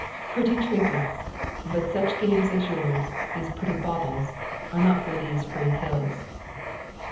"Pretty trinkets! But such games as yours, these pretty baubles are not for these free hills."